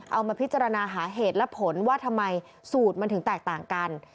เอามาพิจารณาหาเหตุและผลว่าทำไมสูตรมันถึงแตกต่างกัน